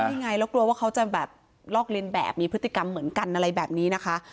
นี่ไงแล้วกลัวว่าเขาจะแบบลอกเรียนแบบมีพฤติกรรมเหมือนกันอะไรแบบนี้นะคะ